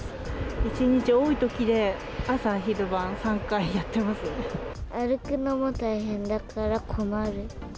１日多いときで、朝昼晩３回やっ歩くのも大変だから困る。